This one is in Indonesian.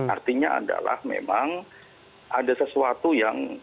artinya adalah memang ada sesuatu yang